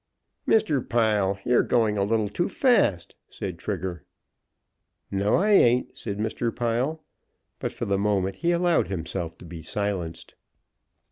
"Mr. Pile, you're going a little too fast," said Trigger. "No, I ain't," said Mr. Pile. But for the moment he allowed himself to be silenced.